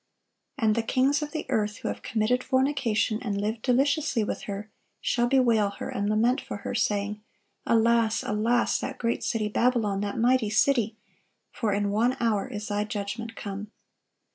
And the kings of the earth, who have committed fornication and lived deliciously with her, shall bewail her, and lament for her, ... saying, Alas, alas that great city Babylon, that mighty city! for in one hour is thy judgment come."